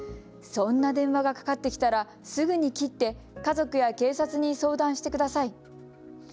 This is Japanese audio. そんな電話がかかってきたらすぐに切って家族や警察に相談してください。